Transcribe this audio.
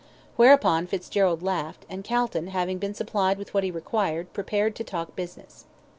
Whereupon Fitzgerald laughed, and Calton having been supplied with what he required, prepared to talk business.